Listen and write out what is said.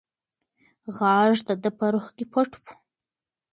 غږ د ده په روح کې پټ و.